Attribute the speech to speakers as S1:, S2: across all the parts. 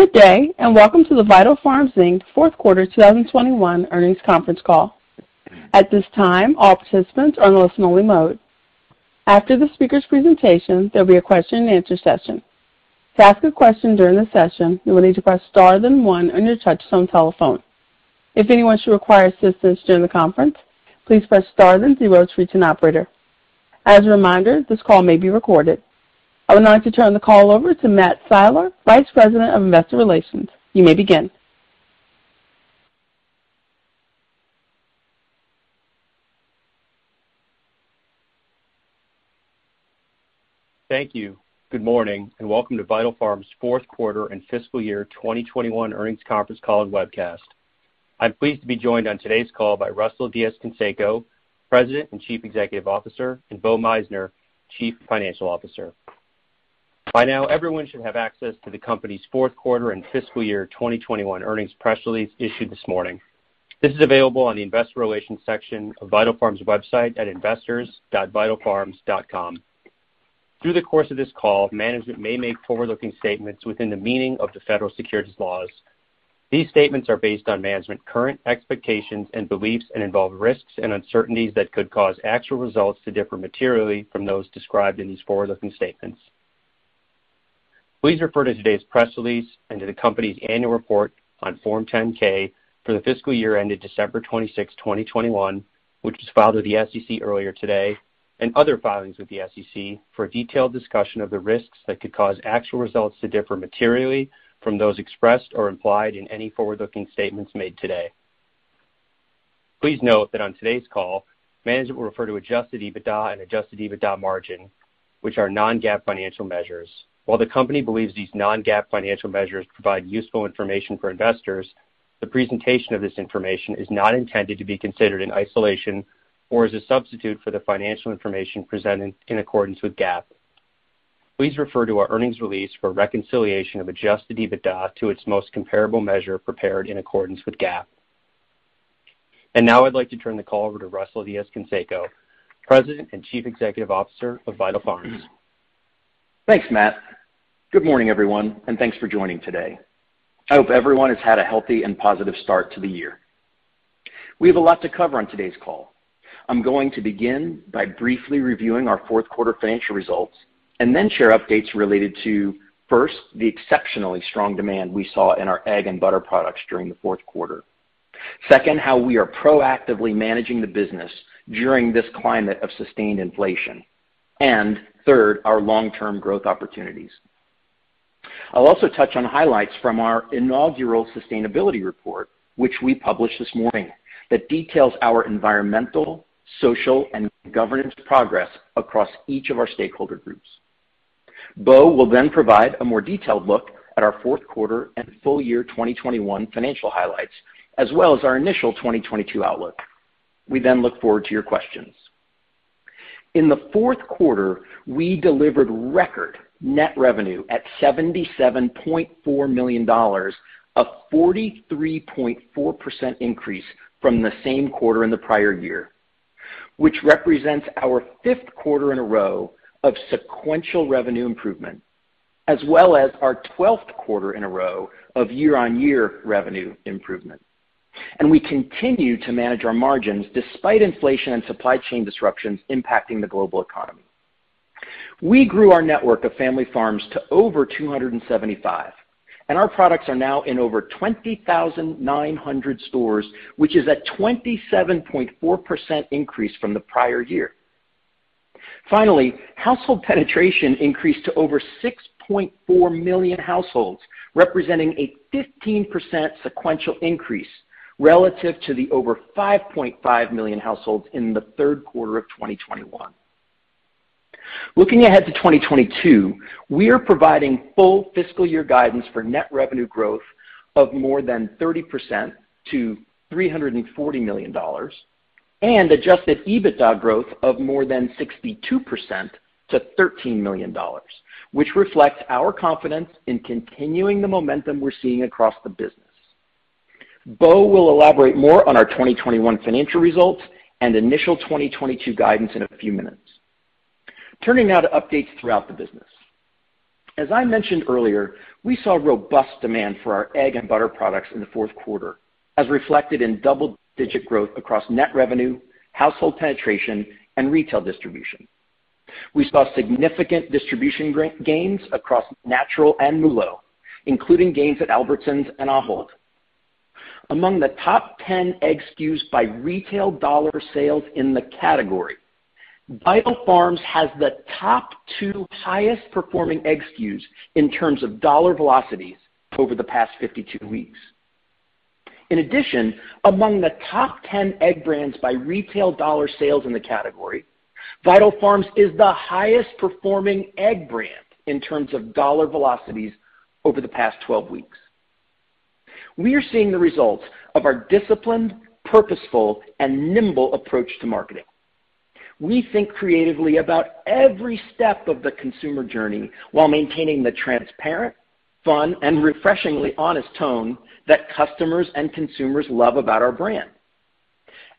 S1: Good day, and welcome to the Vital Farms, Inc. fourth quarter 2021 earnings conference call. At this time, all participants are in listen-only mode. After the speaker's presentation, there'll be a question and answer session. To ask a question during the session, you will need to press star then one on your touchtone telephone. If anyone should require assistance during the conference, please press star then zero to reach an operator. As a reminder, this call may be recorded. I would now like to turn the call over to Matt Siler, Vice President of Investor Relations. You may begin.
S2: Thank you. Good morning, and welcome to Vital Farms fourth quarter and fiscal year 2021 earnings conference call and webcast. I'm pleased to be joined on today's call by Russell Diez-Canseco, President and Chief Executive Officer, and Bo Meissner, Chief Financial Officer. By now, everyone should have access to the company's fourth quarter and fiscal year 2021 earnings press release issued this morning. This is available on the investor relations section of Vital Farms' website at investors.vitalfarms.com. Through the course of this call, management may make forward-looking statements within the meaning of the federal securities laws. These statements are based on management's current expectations and beliefs and involve risks and uncertainties that could cause actual results to differ materially from those described in these forward-looking statements. Please refer to today's press release and to the company's annual report on Form 10-K for the fiscal year ended December 26, 2021, which was filed with the SEC earlier today, and other filings with the SEC for a detailed discussion of the risks that could cause actual results to differ materially from those expressed or implied in any forward-looking statements made today. Please note that on today's call, management will refer to adjusted EBITDA and adjusted EBITDA margin, which are non-GAAP financial measures. While the company believes these non-GAAP financial measures provide useful information for investors, the presentation of this information is not intended to be considered in isolation or as a substitute for the financial information presented in accordance with GAAP. Please refer to our earnings release for reconciliation of adjusted EBITDA to its most comparable measure prepared in accordance with GAAP. Now I'd like to turn the call over to Russell Diez-Canseco, President and Chief Executive Officer of Vital Farms.
S3: Thanks, Matt. Good morning, everyone, and thanks for joining today. I hope everyone has had a healthy and positive start to the year. We have a lot to cover on today's call. I'm going to begin by briefly reviewing our fourth quarter financial results and then share updates related to, first, the exceptionally strong demand we saw in our egg and butter products during the fourth quarter. Second, how we are proactively managing the business during this climate of sustained inflation. And third, our long-term growth opportunities. I'll also touch on highlights from our inaugural sustainability report, which we published this morning, that details our environmental, social, and governance progress across each of our stakeholder groups. Bo will then provide a more detailed look at our fourth quarter and full year 2021 financial highlights, as well as our initial 2022 outlook. We then look forward to your questions. In the fourth quarter, we delivered record net revenue at $77.4 million, a 43.4% increase from the same quarter in the prior year, which represents our fifth quarter in a row of sequential revenue improvement, as well as our twelfth quarter in a row of year-on-year revenue improvement. We continue to manage our margins despite inflation and supply chain disruptions impacting the global economy. We grew our network of family farms to over 275, and our products are now in over 20,900 stores, which is a 27.4% increase from the prior year. Finally, household penetration increased to over 6.4 million households, representing a 15% sequential increase relative to the over 5.5 million households in the third quarter of 2021. Looking ahead to 2022, we are providing full fiscal year guidance for net revenue growth of more than 30% to $340 million and adjusted EBITDA growth of more than 62% to $13 million, which reflects our confidence in continuing the momentum we're seeing across the business. Bo will elaborate more on our 2021 financial results and initial 2022 guidance in a few minutes. Turning now to updates throughout the business. As I mentioned earlier, we saw robust demand for our egg and butter products in the fourth quarter, as reflected in double-digit growth across net revenue, household penetration, and retail distribution. We saw significant distribution gains across natural and MULO, including gains at Albertsons and Ahold. Among the top 10 egg SKUs by retail dollar sales in the category, Vital Farms has the top 2 highest performing egg SKUs in terms of dollar velocities over the past 52 weeks. In addition, among the top 10 egg brands by retail dollar sales in the category, Vital Farms is the highest performing egg brand in terms of dollar velocities over the past 12 weeks. We are seeing the results of our disciplined, purposeful, and nimble approach to marketing. We think creatively about every step of the consumer journey while maintaining the transparent, fun, and refreshingly honest tone that customers and consumers love about our brand.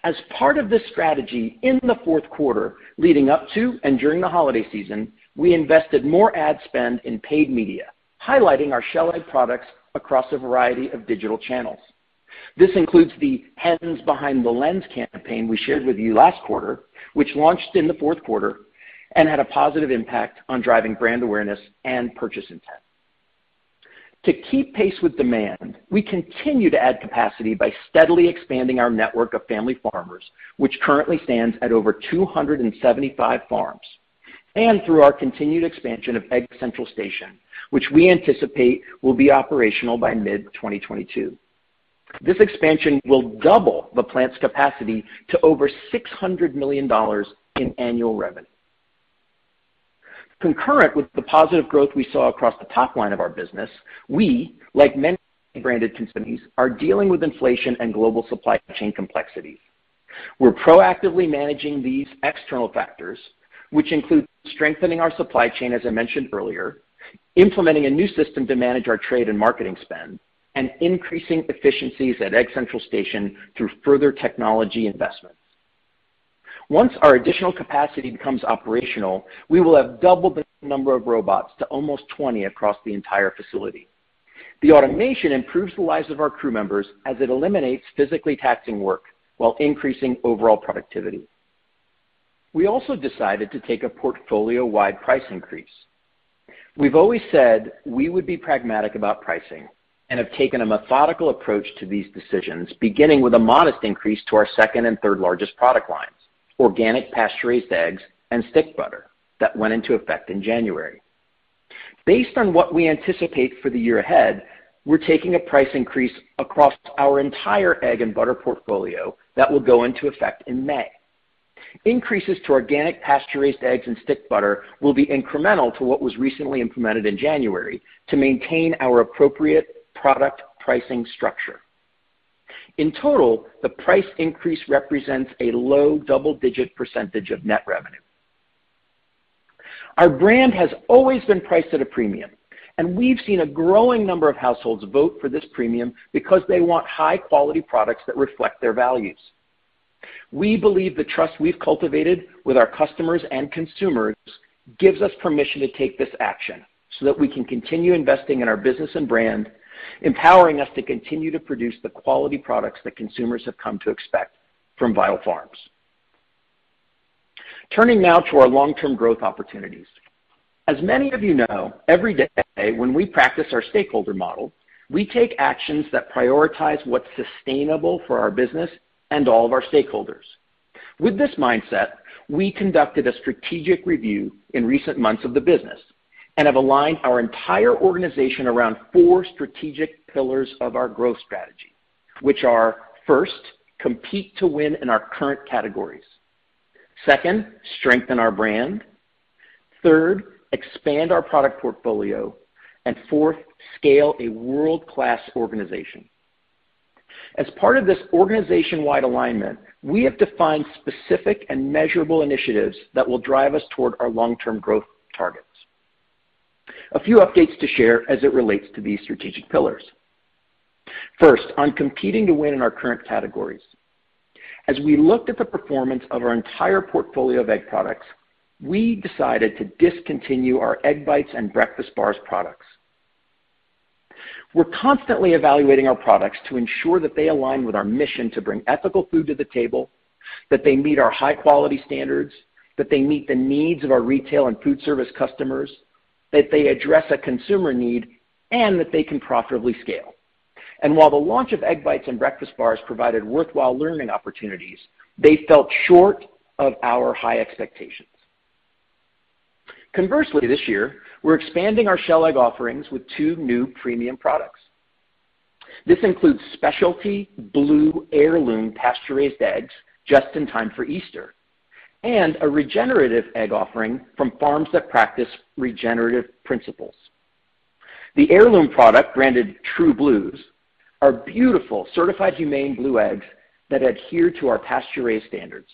S3: As part of this strategy in the fourth quarter leading up to and during the holiday season, we invested more ad spend in paid media, highlighting our shell egg products across a variety of digital channels. This includes the Hens Behind the Lens campaign we shared with you last quarter, which launched in the fourth quarter and had a positive impact on driving brand awareness and purchase intent. To keep pace with demand, we continue to add capacity by steadily expanding our network of family farmers, which currently stands at over 275 farms, and through our continued expansion of Egg Central Station, which we anticipate will be operational by mid-2022. This expansion will double the plant's capacity to over $600 million in annual revenue. Concurrent with the positive growth we saw across the top line of our business, we, like many branded companies, are dealing with inflation and global supply chain complexities. We're proactively managing these external factors, which include strengthening our supply chain, as I mentioned earlier, implementing a new system to manage our trade and marketing spend, and increasing efficiencies at Egg Central Station through further technology investments. Once our additional capacity becomes operational, we will have doubled the number of robots to almost 20 across the entire facility. The automation improves the lives of our crew members as it eliminates physically taxing work while increasing overall productivity. We also decided to take a portfolio-wide price increase. We've always said we would be pragmatic about pricing and have taken a methodical approach to these decisions, beginning with a modest increase to our second and third-largest product lines, Organic Pasture-Raised Eggs and stick butter, that went into effect in January. Based on what we anticipate for the year ahead, we're taking a price increase across our entire egg and butter portfolio that will go into effect in May. Increases to organic pasture-raised eggs and stick butter will be incremental to what was recently implemented in January to maintain our appropriate product pricing structure. In total, the price increase represents a low double-digit % of net revenue. Our brand has always been priced at a premium, and we've seen a growing number of households vote for this premium because they want high-quality products that reflect their values. We believe the trust we've cultivated with our customers and consumers gives us permission to take this action so that we can continue investing in our business and brand, empowering us to continue to produce the quality products that consumers have come to expect from Vital Farms. Turning now to our long-term growth opportunities. As many of you know, every day when we practice our stakeholder model, we take actions that prioritize what's sustainable for our business and all of our stakeholders. With this mindset, we conducted a strategic review in recent months of the business and have aligned our entire organization around four strategic pillars of our growth strategy, which are, first, compete to win in our current categories. Second, strengthen our brand. Third, expand our product portfolio. Fourth, scale a world-class organization. As part of this organization-wide alignment, we have defined specific and measurable initiatives that will drive us toward our long-term growth targets. A few updates to share as it relates to these strategic pillars. First, on competing to win in our current categories. As we looked at the performance of our entire portfolio of egg products, we decided to discontinue our Egg Bites and Breakfast Bars products. We're constantly evaluating our products to ensure that they align with our mission to bring ethical food to the table, that they meet our high-quality standards, that they meet the needs of our retail and food service customers, that they address a consumer need, and that they can profitably scale. While the launch of Egg Bites and Breakfast Bars provided worthwhile learning opportunities, they fell short of our high expectations. Conversely, this year, we're expanding our shell egg offerings with two new premium products. This includes specialty blue heirloom pasture-raised eggs just in time for Easter and a regenerative egg offering from farms that practice regenerative principles. The heirloom product, branded True Blues, are beautiful, Certified Humane blue eggs that adhere to our pasture-raised standards.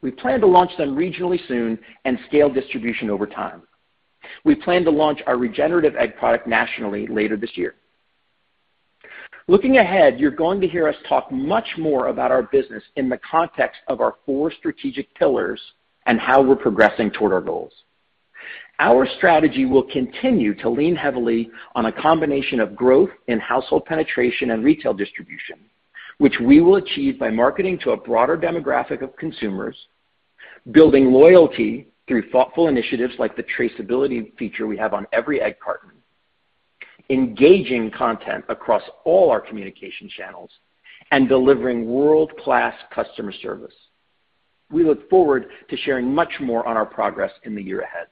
S3: We plan to launch them regionally soon and scale distribution over time. We plan to launch our regenerative egg product nationally later this year. Looking ahead, you're going to hear us talk much more about our business in the context of our four strategic pillars and how we're progressing toward our goals. Our strategy will continue to lean heavily on a combination of growth in household penetration and retail distribution, which we will achieve by marketing to a broader demographic of consumers, building loyalty through thoughtful initiatives like the traceability feature we have on every egg carton, engaging content across all our communication channels, and delivering world-class customer service. We look forward to sharing much more on our progress in the year ahead.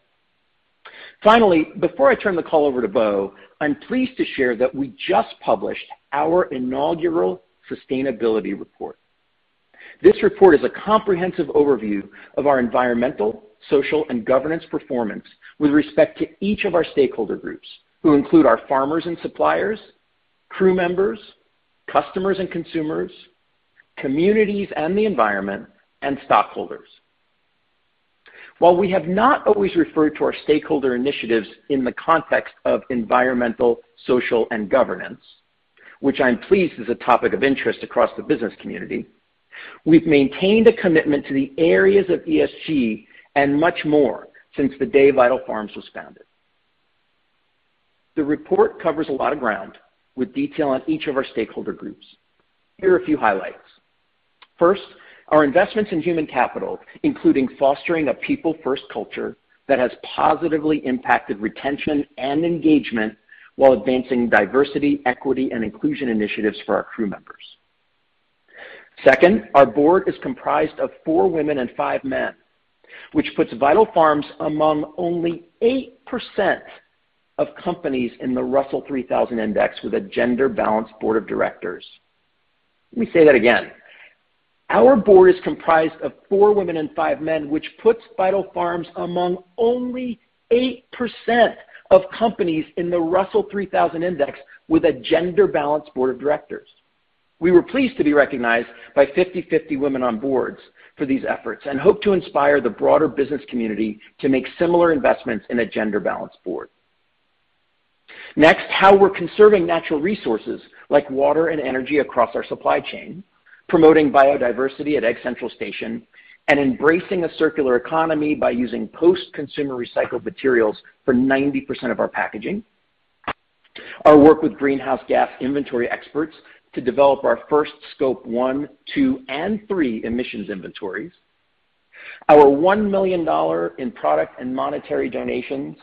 S3: Finally, before I turn the call over to Bo, I'm pleased to share that we just published our inaugural sustainability report. This report is a comprehensive overview of our environmental, social, and governance performance with respect to each of our stakeholder groups, who include our farmers and suppliers, crew members, customers and consumers, communities and the environment, and stockholders. While we have not always referred to our stakeholder initiatives in the context of environmental, social, and governance, which I'm pleased is a topic of interest across the business community, we've maintained a commitment to the areas of ESG and much more since the day Vital Farms was founded. The report covers a lot of ground with detail on each of our stakeholder groups. Here are a few highlights. First, our investments in human capital, including fostering a people-first culture that has positively impacted retention and engagement while advancing diversity, equity, and inclusion initiatives for our crew members. Second, our board is comprised of four women and five men, which puts Vital Farms among only 8% of companies in the Russell 3000 Index with a gender-balanced board of directors. Let me say that again. Our board is comprised of four women and five men, which puts Vital Farms among only 8% of companies in the Russell 3000 Index with a gender-balanced board of directors. We were pleased to be recognized by 50/50 Women on Boards for these efforts and hope to inspire the broader business community to make similar investments in a gender-balanced board. Next, how we're conserving natural resources like water and energy across our supply chain, promoting biodiversity at Egg Central Station, and embracing a circular economy by using post-consumer recycled materials for 90% of our packaging. Our work with greenhouse gas inventory experts to develop our first scope one, two, and three emissions inventories. Our $1 million in product and monetary donations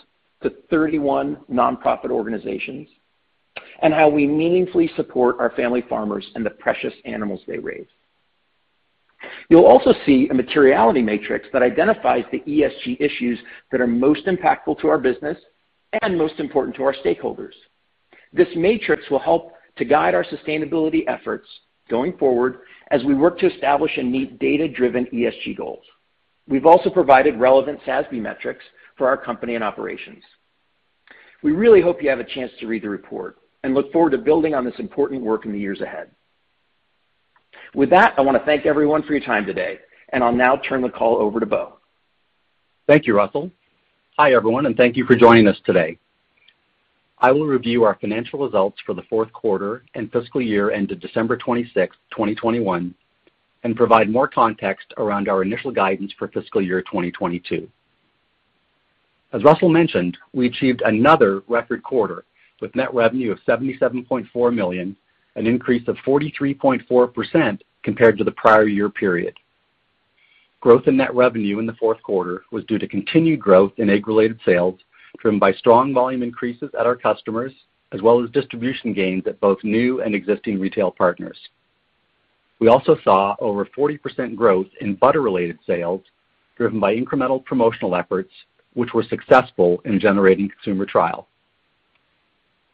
S3: to 31 nonprofit organizations. How we meaningfully support our family farmers and the precious animals they raise. You'll also see a materiality matrix that identifies the ESG issues that are most impactful to our business and most important to our stakeholders. This matrix will help to guide our sustainability efforts going forward as we work to establish and meet data-driven ESG goals. We've also provided relevant SASB metrics for our company and operations. We really hope you have a chance to read the report, and look forward to building on this important work in the years ahead. With that, I wanna thank everyone for your time today, and I'll now turn the call over to Bo.
S4: Thank you, Russell. Hi, everyone, and thank you for joining us today. I will review our financial results for the fourth quarter and fiscal year ended December 26th, 2021, and provide more context around our initial guidance for fiscal year 2022. As Russell mentioned, we achieved another record quarter with net revenue of $77.4 million, an increase of 43.4% compared to the prior year period. Growth in net revenue in the fourth quarter was due to continued growth in egg-related sales, driven by strong volume increases at our customers as well as distribution gains at both new and existing retail partners. We also saw over 40% growth in butter-related sales, driven by incremental promotional efforts which were successful in generating consumer trial.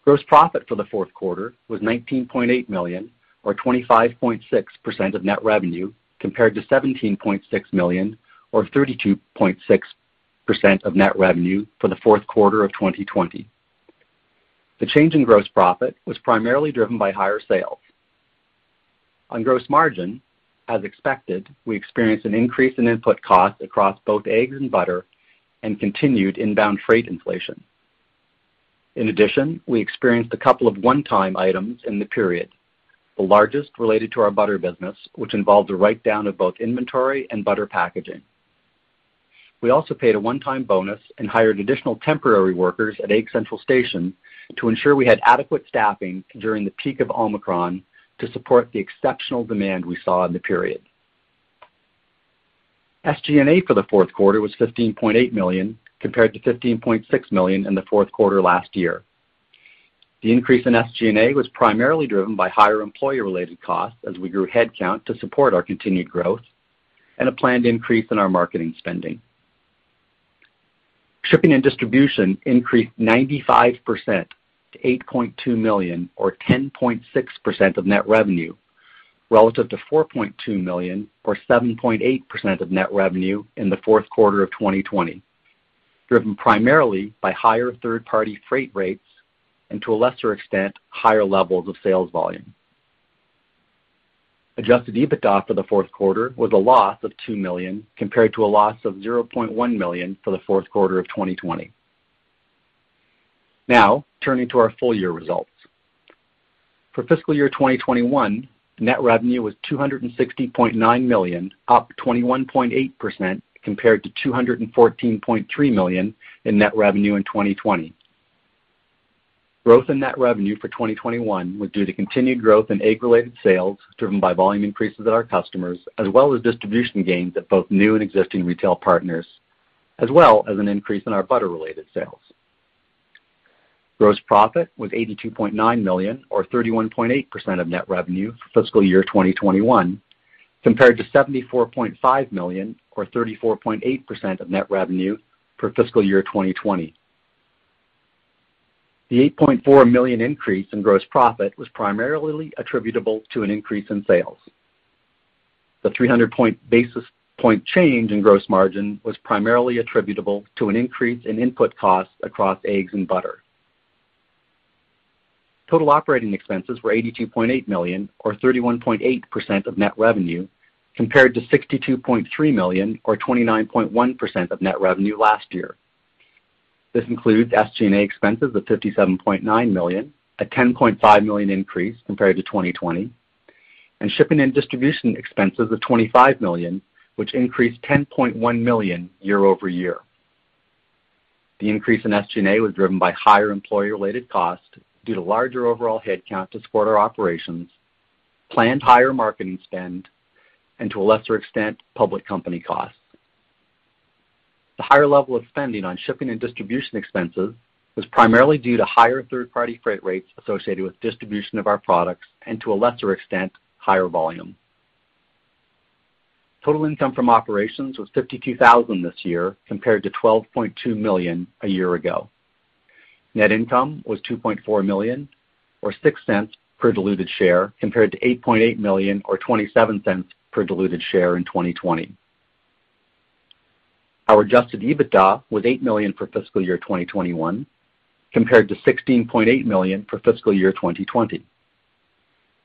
S4: Gross profit for the fourth quarter was $19.8 million or 25.6% of net revenue, compared to $17.6 million or 32.6% of net revenue for the fourth quarter of 2020. The change in gross profit was primarily driven by higher sales. On gross margin, as expected, we experienced an increase in input costs across both eggs and butter and continued inbound freight inflation. In addition, we experienced a couple of one-time items in the period, the largest related to our butter business, which involved a write-down of both inventory and butter packaging. We also paid a one-time bonus and hired additional temporary workers at Egg Central Station to ensure we had adequate staffing during the peak of Omicron to support the exceptional demand we saw in the period. SG&A for the fourth quarter was $15.8 million, compared to $15.6 million in the fourth quarter last year. The increase in SG&A was primarily driven by higher employer-related costs as we grew headcount to support our continued growth and a planned increase in our marketing spending. Shipping and distribution increased 95% to $8.2 million or 10.6% of net revenue relative to $4.2 million or 7.8% of net revenue in the fourth quarter of 2020, driven primarily by higher third-party freight rates and, to a lesser extent, higher levels of sales volume. Adjusted EBITDA for the fourth quarter was a loss of $2 million, compared to a loss of $0.1 million for the fourth quarter of 2020. Now turning to our full year results. For fiscal year 2021, net revenue was $260.9 million, up 21.8% compared to $214.3 million in net revenue in 2020. Growth in net revenue for 2021 was due to continued growth in egg-related sales, driven by volume increases at our customers, as well as distribution gains at both new and existing retail partners, as well as an increase in our butter-related sales. Gross profit was $82.9 million or 31.8% of net revenue for fiscal year 2021 compared to $74.5 million or 34.8% of net revenue for fiscal year 2020. The $8.4 million increase in gross profit was primarily attributable to an increase in sales. The 300 basis point change in gross margin was primarily attributable to an increase in input costs across eggs and butter. Total operating expenses were $82.8 million or 31.8% of net revenue compared to $62.3 million or 29.1% of net revenue last year. This includes SG&A expenses of $57.9 million, a $10.5 million increase compared to 2020, and shipping and distribution expenses of $25 million, which increased $10.1 million year-over-year. The increase in SG&A was driven by higher employee related costs due to larger overall headcount to support our operations, planned higher marketing spend, and to a lesser extent, public company costs. The higher level of spending on shipping and distribution expenses was primarily due to higher third party freight rates associated with distribution of our products and to a lesser extent, higher volume. Total income from operations was $52,000 this year compared to $12.2 million a year ago. Net income was $2.4 million or $0.06 per diluted share, compared to $8.8 million or $0.27 per diluted share in 2020. Our adjusted EBITDA was $8 million for fiscal year 2021 compared to $16.8 million for fiscal year 2020.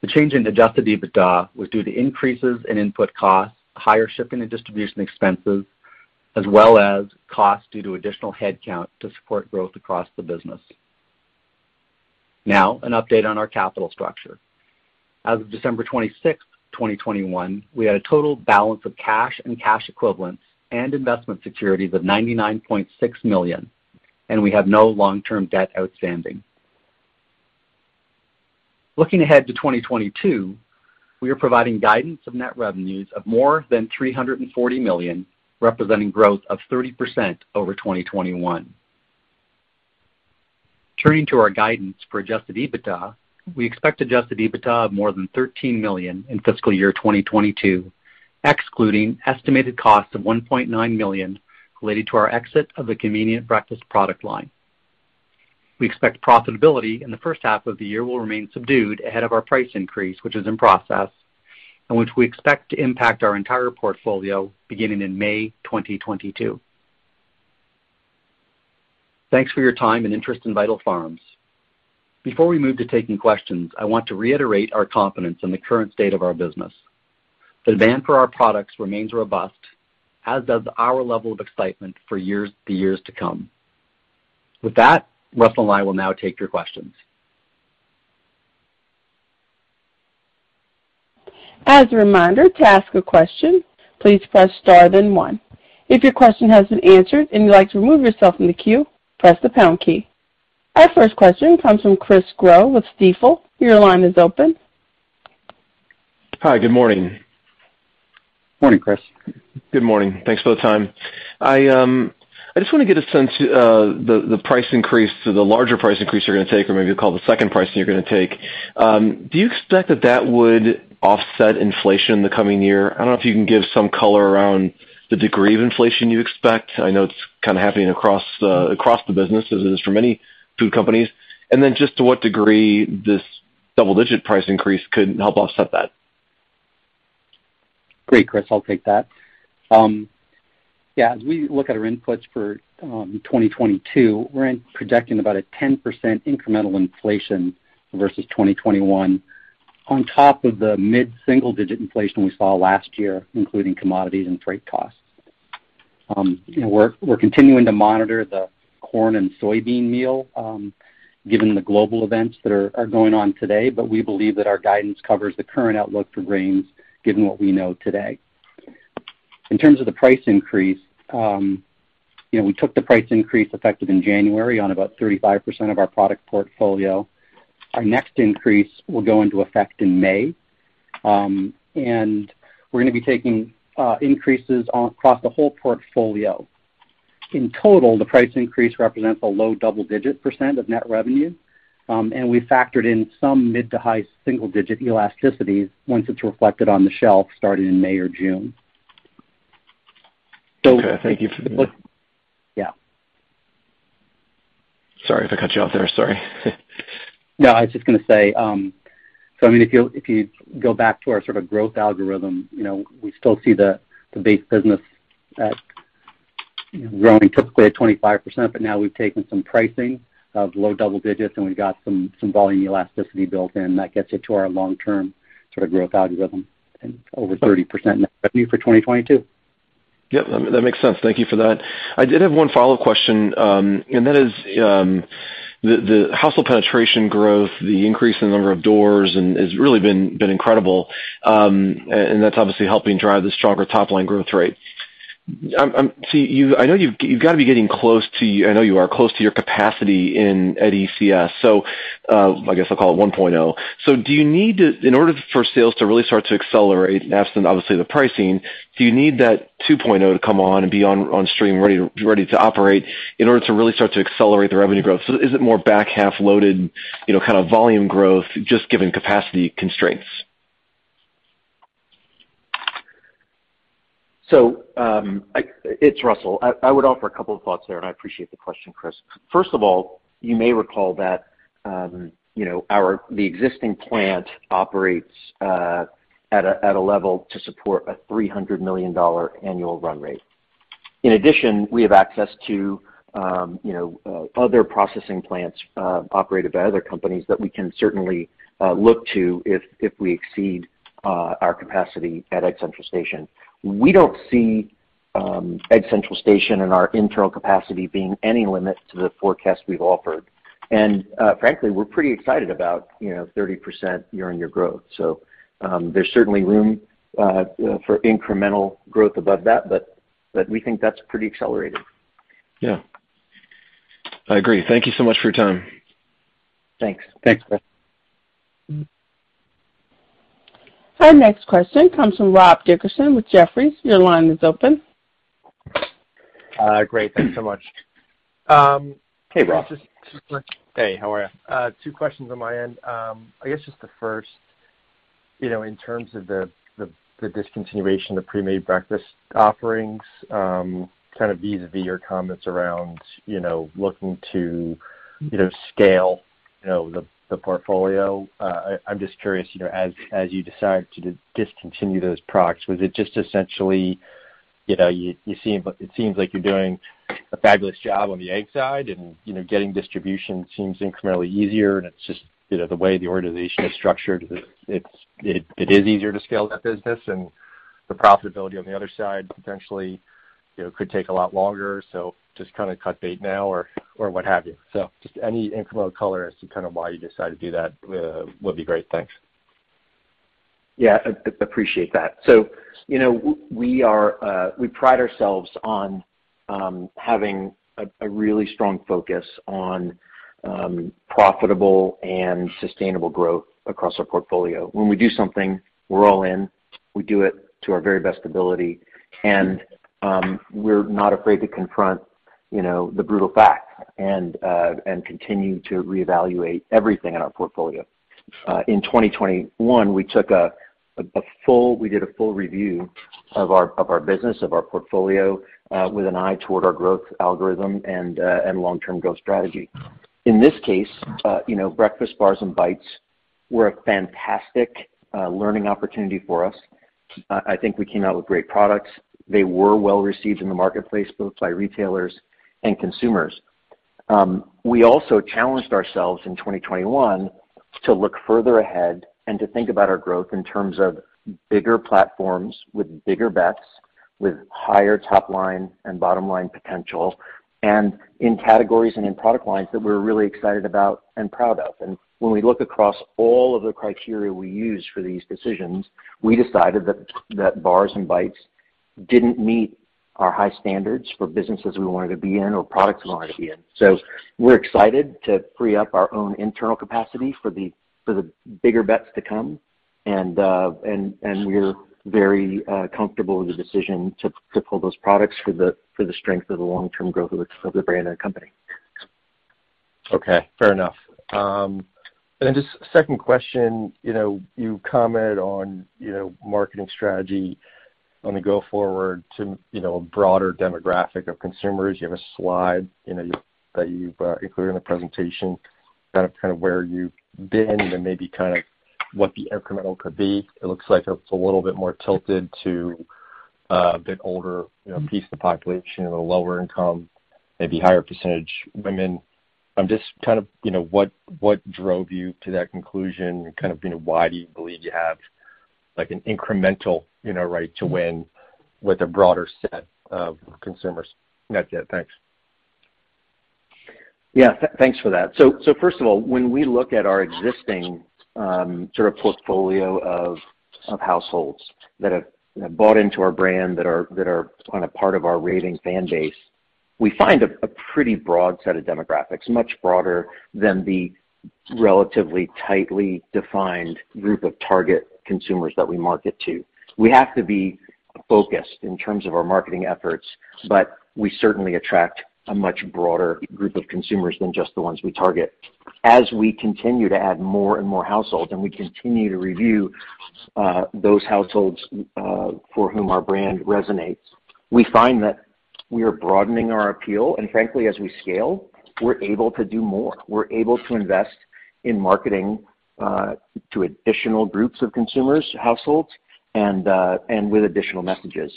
S4: The change in adjusted EBITDA was due to increases in input costs, higher shipping and distribution expenses, as well as costs due to additional headcount to support growth across the business. Now, an update on our capital structure. As of December 26, 2021, we had a total balance of cash and cash equivalents and investment securities of $99.6 million, and we have no long-term debt outstanding. Looking ahead to 2022, we are providing guidance of net revenues of more than $340 million, representing growth of 30% over 2021. Turning to our guidance for adjusted EBITDA, we expect adjusted EBITDA of more than $13 million in fiscal year 2022, excluding estimated costs of $1.9 million related to our exit of the convenient breakfast product line. We expect profitability in the first half of the year will remain subdued ahead of our price increase, which is in process and which we expect to impact our entire portfolio beginning in May 2022. Thanks for your time and interest in Vital Farms. Before we move to taking questions, I want to reiterate our confidence in the current state of our business. Demand for our products remains robust, as does our level of excitement for the years to come. With that, Russell and I will now take your questions.
S1: Our first question comes from Chris Growe with Stifel. Your line is open.
S5: Hi. Good morning.
S4: Morning, Chris.
S5: Good morning. Thanks for the time. I just want to get a sense, the price increase or the larger price increase you're gonna take or maybe call the second pricing you're gonna take. Do you expect that would offset inflation in the coming year? I don't know if you can give some color around the degree of inflation you expect. I know it's kind of happening across the business as it is for many food companies. Just to what degree this double-digit price increase could help offset that.
S4: Great, Chris. I'll take that. Yeah, as we look at our inputs for 2022, we're projecting about a 10% incremental inflation versus 2021 on top of the mid-single-digit inflation we saw last year, including commodities and freight costs. You know, we're continuing to monitor the corn and soybean meal given the global events that are going on today. But we believe that our guidance covers the current outlook for grains given what we know today. In terms of the price increase, you know, we took the price increase effective in January on about 35% of our product portfolio. Our next increase will go into effect in May, and we're gonna be taking increases across the whole portfolio. In total, the price increase represents a low double-digit % of net revenue, and we factored in some mid- to high-single-digit elasticities once it's reflected on the shelf starting in May or June.
S5: Okay. Thank you for the.
S4: Yeah.
S5: Sorry if I cut you off there. Sorry.
S4: No, I was just gonna say, so I mean, if you'll, if you go back to our sort of growth algorithm, you know, we still see the base business at, you know, growing typically at 25%, but now we've taken some pricing of low double digits, and we've got some volume elasticity built in. That gets it to our long term sort of growth algorithm and over 30% net revenue for 2022.
S5: Yep, that makes sense. Thank you for that. I did have one follow-up question, and that is the household penetration growth, the increase in the number of doors and has really been incredible, and that's obviously helping drive the stronger top line growth rate. I know you've got to be getting close to, I know you are close to your capacity at ECS. I guess I'll call it 1.0. In order for sales to really start to accelerate, absent obviously the pricing, do you need that 2.0 to come on and be on stream ready to operate in order to really start to accelerate the revenue growth? Is it more back half loaded, you know, kind of volume growth just given capacity constraints?
S4: It's Russell. I would offer a couple of thoughts there, and I appreciate the question, Chris. First of all, you may recall that, you know, the existing plant operates at a level to support a $300 million annual run rate.
S3: In addition, we have access to you know other processing plants operated by other companies that we can certainly look to if we exceed our capacity at Egg Central Station. We don't see Egg Central Station and our internal capacity being any limit to the forecast we've offered. Frankly, we're pretty excited about you know 30% year-over-year growth. There's certainly room you know for incremental growth above that, but we think that's pretty accelerated.
S5: Yeah. I agree. Thank you so much for your time.
S3: Thanks.
S2: Thanks, Chris.
S1: Our next question comes from Rob Dickerson with Jefferies. Your line is open.
S6: Great. Thanks so much.
S3: Hey, Rob.
S6: Just super quick.
S3: Hey, how are you?
S6: Two questions on my end. I guess just the first, you know, in terms of the discontinuation of pre-made breakfast offerings, kind of vis-à-vis your comments around, you know, looking to, you know, scale, you know, the portfolio. I'm just curious, you know, as you decide to discontinue those products, was it just essentially, you know, it seems like you're doing a fabulous job on the egg side and, you know, getting distribution seems incrementally easier, and it's just, you know, the way the organization is structured, it is easier to scale that business and the profitability on the other side potentially, you know, could take a lot longer. So just kinda cut bait now or what have you. Just any incremental color as to kind of why you decided to do that, would be great. Thanks.
S3: Appreciate that. You know, we pride ourselves on having a really strong focus on profitable and sustainable growth across our portfolio. When we do something, we're all in, we do it to our very best ability, and we're not afraid to confront, you know, the brutal facts and continue to reevaluate everything in our portfolio. In 2021, we did a full review of our business, of our portfolio, with an eye toward our growth algorithm and long-term growth strategy. In this case, you know, breakfast bars and bites were a fantastic learning opportunity for us. I think we came out with great products. They were well received in the marketplace, both by retailers and consumers. We challenged ourselves in 2021 to look further ahead and to think about our growth in terms of bigger platforms with bigger bets, with higher top line and bottom line potential, and in categories and in product lines that we're really excited about and proud of. When we look across all of the criteria we use for these decisions, we decided that bars and bites didn't meet our high standards for businesses we wanted to be in or products we wanted to be in. We're excited to free up our own internal capacity for the bigger bets to come. We're very comfortable with the decision to pull those products for the strength of the long-term growth of the brand and company.
S6: Okay. Fair enough. Just second question, you know, you comment on, you know, marketing strategy going forward to, you know, a broader demographic of consumers. You have a slide, you know, that you've included in the presentation, kind of where you've been and maybe kind of what the incremental could be. It looks like it's a little bit more tilted to a bit older, you know, piece of the population or lower income, maybe higher percentage women. I'm just kind of, you know, what drove you to that conclusion and kind of, you know, why do you believe you have, like, an incremental, you know, right to win with a broader set of consumers? That's it. Thanks.
S3: Yeah. Thanks for that. First of all, when we look at our existing sort of portfolio of households that have bought into our brand, that are on a part of our loyal fan base, we find a pretty broad set of demographics, much broader than the relatively tightly defined group of target consumers that we market to. We have to be focused in terms of our marketing efforts, but we certainly attract a much broader group of consumers than just the ones we target. As we continue to add more and more households, and we continue to review those households for whom our brand resonates, we find that we are broadening our appeal. Frankly, as we scale, we're able to do more. We're able to invest in marketing to additional groups of consumers, households, and with additional messages.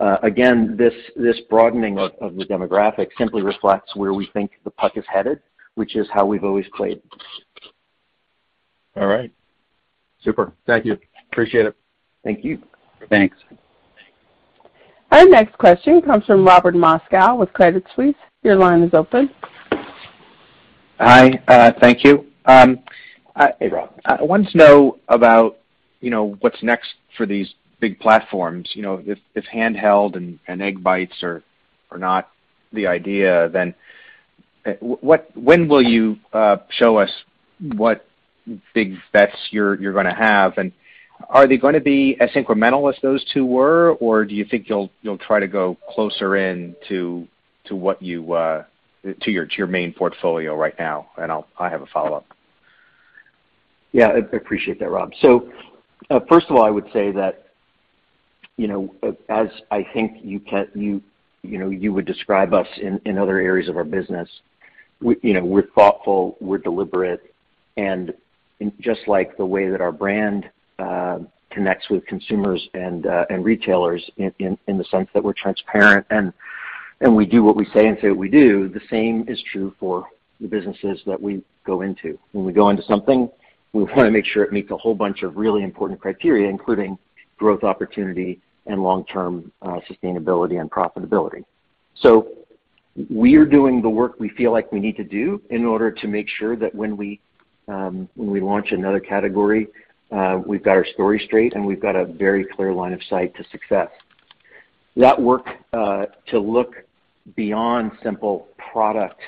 S3: Again, this broadening of the demographic simply reflects where we think the puck is headed, which is how we've always played.
S6: All right. Super. Thank you. Appreciate it.
S3: Thank you.
S2: Thanks.
S1: Our next question comes from Robert Moskow with Credit Suisse. Your line is open.
S7: Hi. Thank you.
S3: Hey, Rob.
S7: I wanted to know about, you know, what's next for these big platforms. You know, if Breakfast Bars and Egg Bites are not the idea, then when will you show us what big bets you're gonna have? Are they gonna be as incremental as those two were, or do you think you'll try to go closer in to what your main portfolio right now? I have a follow-up.
S3: Yeah, appreciate that, Rob. First of all, I would say that, you know, as I think you would describe us in other areas of our business. We, you know, we're thoughtful, we're deliberate, and just like the way that our brand connects with consumers and retailers in the sense that we're transparent and we do what we say and say what we do, the same is true for the businesses that we go into. When we go into something, we wanna make sure it meets a whole bunch of really important criteria, including growth opportunity and long-term sustainability and profitability. We are doing the work we feel like we need to do in order to make sure that when we launch another category, we've got our story straight and we've got a very clear line of sight to success. That work to look beyond simple product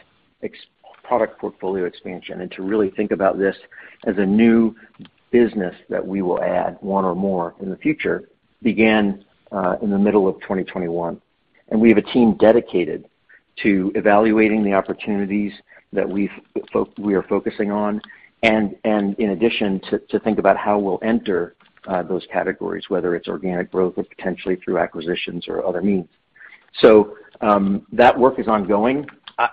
S3: portfolio expansion and to really think about this as a new business that we will add one or more in the future began in the middle of 2021. We have a team dedicated to evaluating the opportunities that we are focusing on and in addition to think about how we'll enter those categories, whether it's organic growth or potentially through acquisitions or other means. That work is ongoing.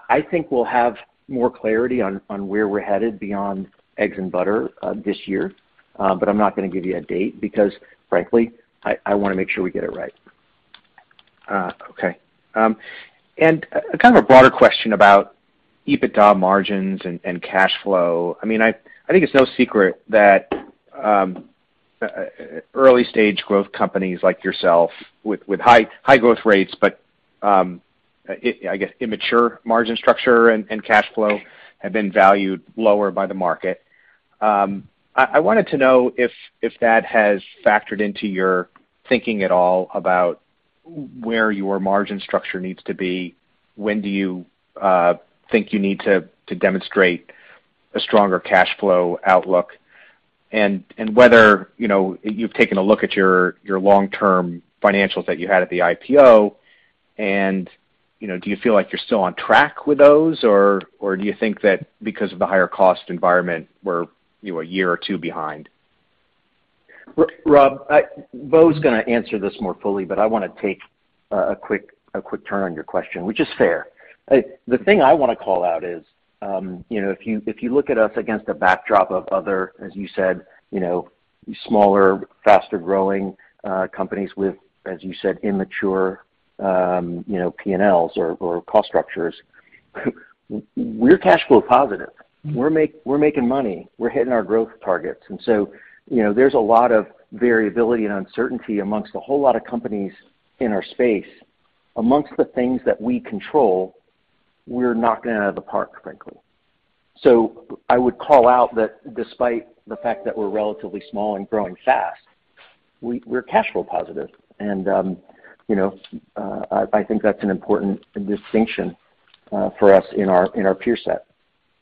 S3: I think we'll have more clarity on where we're headed beyond eggs and butter this year. I'm not gonna give you a date because frankly, I wanna make sure we get it right.
S7: Okay. Kind of a broader question about EBITDA margins and cash flow. I mean, I think it's no secret that early stage growth companies like yourself with high growth rates, but I guess immature margin structure and cash flow have been valued lower by the market. I wanted to know if that has factored into your thinking at all about where your margin structure needs to be. When do you think you need to demonstrate a stronger cash flow outlook? Whether, you know, you've taken a look at your long-term financials that you had at the IPO and, you know, do you feel like you're still on track with those, or do you think that because of the higher cost environment we're, you know, a year or two behind?
S3: Rob, Bo's gonna answer this more fully, but I wanna take a quick turn on your question, which is fair. The thing I wanna call out is, you know, if you look at us against a backdrop of other, as you said, you know, smaller, faster-growing companies with, as you said, immature, you know, P&Ls or cost structures, we're cash flow positive. We're making money. We're hitting our growth targets. You know, there's a lot of variability and uncertainty amongst a whole lot of companies in our space. Amongst the things that we control, we're knocking it out of the park, frankly. I would call out that despite the fact that we're relatively small and growing fast, we're cash flow positive. You know, I think that's an important distinction for us in our peer set.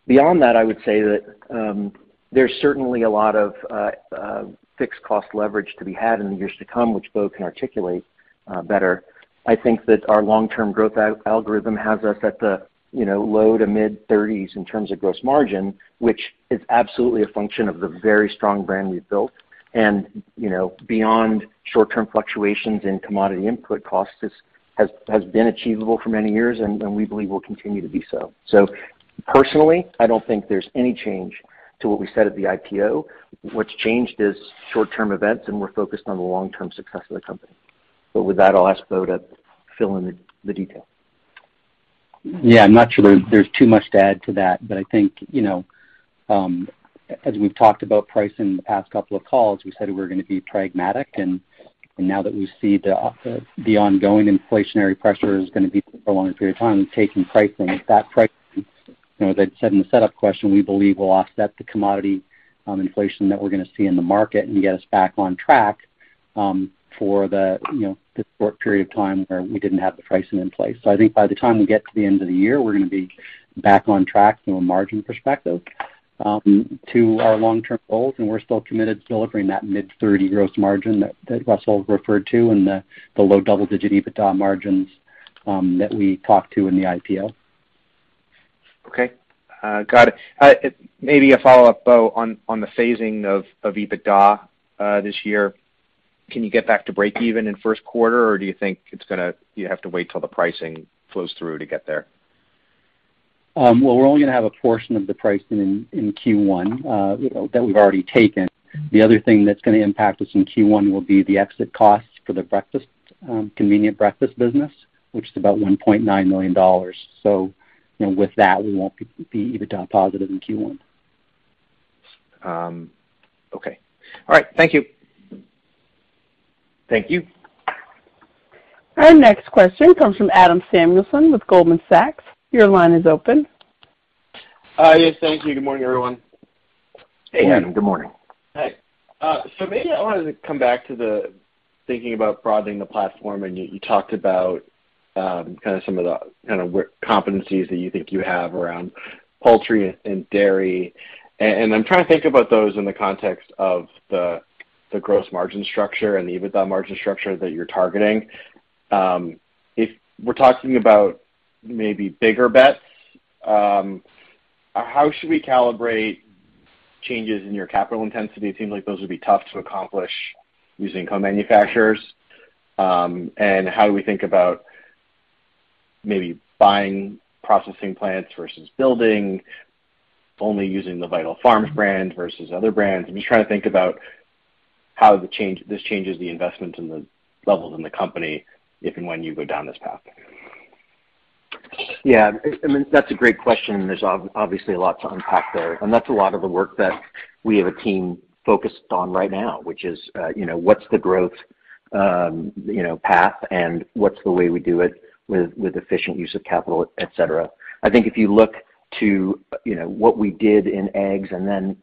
S3: Beyond that, I would say that there's certainly a lot of fixed cost leverage to be had in the years to come, which Bo can articulate better. I think that our long-term growth algorithm has us at the low- to mid-30s% in terms of gross margin, which is absolutely a function of the very strong brand we've built. You know, beyond short-term fluctuations in commodity input costs, this has been achievable for many years, and we believe will continue to be so. Personally, I don't think there's any change to what we said at the IPO. What's changed is short-term events, and we're focused on the long-term success of the company. With that, I'll ask Bo to fill in the detail.
S4: Yeah. I'm not sure there's too much to add to that. I think, you know, as we've talked about pricing in the past couple of calls, we said we're gonna be pragmatic. Now that we see the ongoing inflationary pressure is gonna be for a longer period of time, taking pricing, that pricing, you know, as I said in the setup question, we believe will offset the commodity inflation that we're gonna see in the market and get us back on track, for the, you know, this short period of time where we didn't have the pricing in place. I think by the time we get to the end of the year, we're gonna be back on track from a margin perspective to our long-term goals, and we're still committed to delivering that mid-30% gross margin that Russell referred to and the low double-digit EBITDA margins that we talked to in the IPO.
S7: Okay. Got it. Maybe a follow-up, Bo, on the phasing of EBITDA this year. Can you get back to break even in first quarter, or do you think it's gonna, you have to wait till the pricing flows through to get there?
S4: Well, we're only gonna have a portion of the pricing in Q1, you know, that we've already taken. The other thing that's gonna impact us in Q1 will be the exit costs for the convenient breakfast business, which is about $1.9 million. You know, with that, we won't be EBITDA positive in Q1.
S7: Okay. All right. Thank you.
S3: Thank you.
S1: Our next question comes from Adam Samuelson with Goldman Sachs. Your line is open.
S8: Yes. Thank you. Good morning, everyone.
S3: Hey, Adam. Good morning.
S8: Hi. Maybe I wanted to come back to the thinking about broadening the platform, and you talked about some of the competencies that you think you have around poultry and dairy. I'm trying to think about those in the context of the gross margin structure and the EBITDA margin structure that you're targeting. If we're talking about maybe bigger bets, how should we calibrate Changes in your capital intensity, it seems like those would be tough to accomplish using co-manufacturers. How do we think about maybe buying processing plants versus building only using the Vital Farms brand versus other brands? I'm just trying to think about how this changes the investment and the levels in the company if and when you go down this path.
S3: Yeah. I mean, that's a great question, and there's obviously a lot to unpack there. That's a lot of the work that we have a team focused on right now, which is, you know, what's the growth, you know, path and what's the way we do it with efficient use of capital, et cetera. I think if you look to, you know, what we did in eggs and then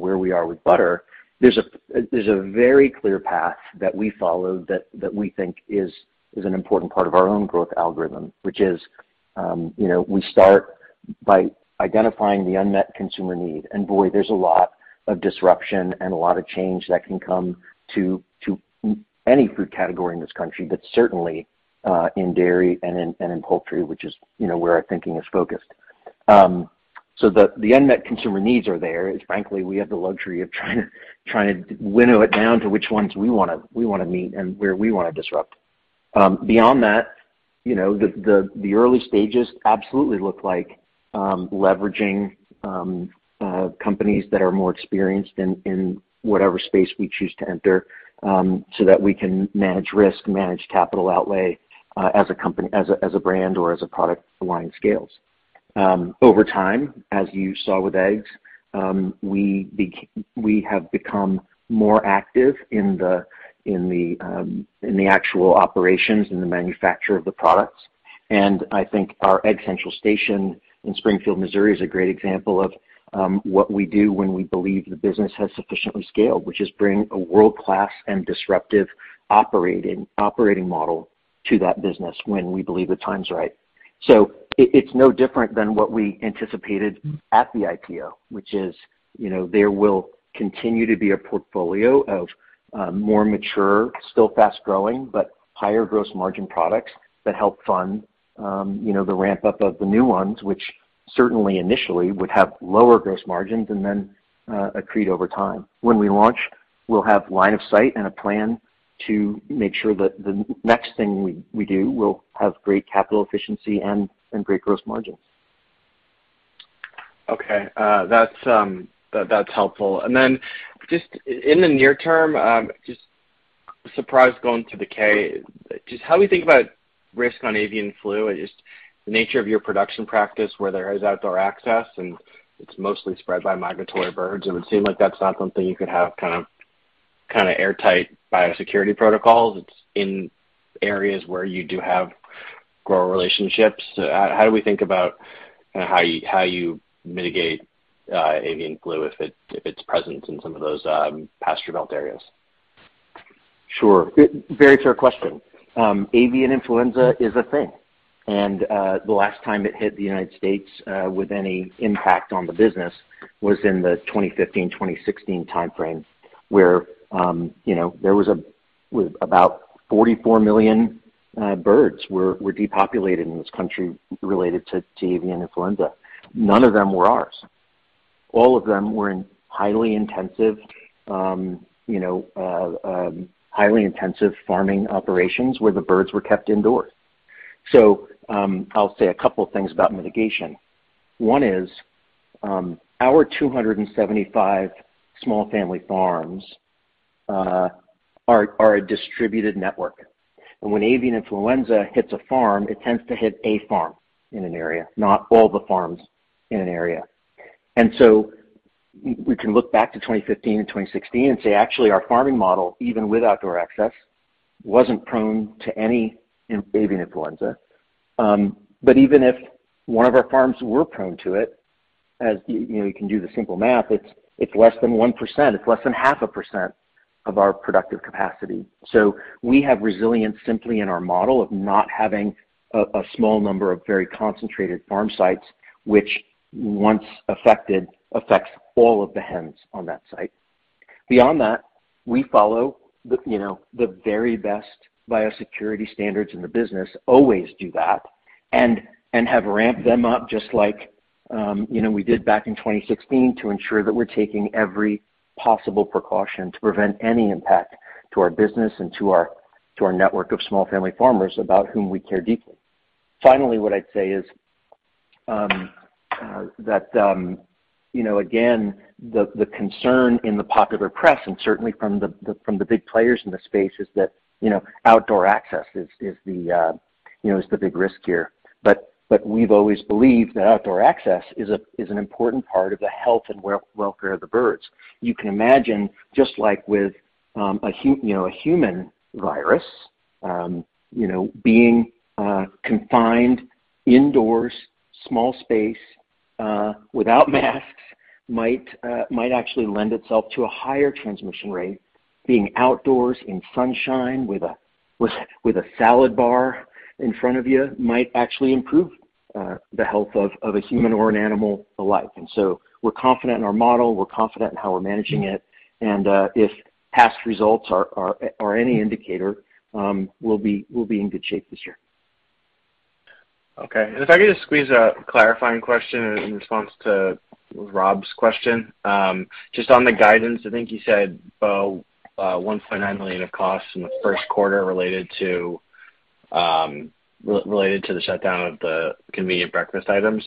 S3: where we are with butter, there's a very clear path that we follow that we think is an important part of our own growth algorithm, which is, you know, we start by identifying the unmet consumer need. Boy, there's a lot of disruption and a lot of change that can come to any food category in this country, but certainly in dairy and in poultry, which is, you know, where our thinking is focused. The unmet consumer needs are there. It's frankly we have the luxury of trying to winnow it down to which ones we wanna meet and where we wanna disrupt. Beyond that, you know, the early stages absolutely look like leveraging companies that are more experienced in whatever space we choose to enter, so that we can manage risk, manage capital outlay, as a company, as a brand or as a product line scales. Over time, as you saw with eggs, we have become more active in the actual operations and the manufacture of the products. I think our Egg Central Station in Springfield, Missouri, is a great example of what we do when we believe the business has sufficiently scaled, which is bring a world-class and disruptive operating model to that business when we believe the time's right. It's no different than what we anticipated at the IPO, which is, you know, there will continue to be a portfolio of more mature, still fast growing, but higher gross margin products that help fund, you know, the ramp up of the new ones, which certainly initially would have lower gross margins and then accrete over time. When we launch, we'll have line of sight and a plan to make sure that the next thing we do will have great capital efficiency and great gross margins.
S8: Okay. That's helpful. Just in the near term, just as per the 10-K. How we think about risk on avian flu is the nature of your production practice where there is outdoor access, and it's mostly spread by migratory birds. It would seem like that's not something you could have kind of airtight biosecurity protocols. It's in areas where you do have grower relationships. How do we think about how you mitigate avian flu if it's present in some of those pasture belt areas?
S3: Sure. Very fair question. Avian influenza is a thing, and the last time it hit the United States with any impact on the business was in the 2015, 2016 timeframe, where you know, there was with about 44 million birds were depopulated in this country related to avian influenza. None of them were ours. All of them were in highly intensive farming operations where the birds were kept indoors. I'll say a couple of things about mitigation. One is our 275 small family farms are a distributed network. When avian influenza hits a farm, it tends to hit a farm in an area, not all the farms in an area. We can look back to 2015 and 2016 and say, actually, our farming model, even with outdoor access, wasn't prone to any avian influenza. But even if one of our farms were prone to it, as you know, you can do the simple math, it's less than 1%, less than 0.5% of our productive capacity. We have resilience simply in our model of not having a small number of very concentrated farm sites, which once affected, affects all of the hens on that site. Beyond that, we follow you know the very best biosecurity standards in the business, always do that, and have ramped them up just like you know we did back in 2016 to ensure that we're taking every possible precaution to prevent any impact to our business and to our network of small family farmers about whom we care deeply. Finally, what I'd say is that you know again the concern in the popular press and certainly from the big players in the space is that you know outdoor access is the big risk here. We've always believed that outdoor access is an important part of the health and welfare of the birds. You can imagine, just like with, you know, a human virus, you know, being confined indoors, small space, without masks might actually lend itself to a higher transmission rate. Being outdoors in sunshine with a salad bar in front of you might actually improve the health of a human or an animal alike. We're confident in our model, we're confident in how we're managing it. If past results are any indicator, we'll be in good shape this year.
S8: Okay. If I could just squeeze a clarifying question in response to Rob's question. Just on the guidance, I think you said, $1.9 million of costs in the first quarter related to the shutdown of the convenient breakfast items.